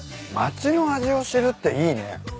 町の味を知るっていいね。